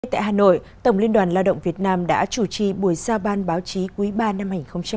tại hà nội tổng liên đoàn lao động việt nam đã chủ trì buổi giao ban báo chí quý ba năm hai nghìn hai mươi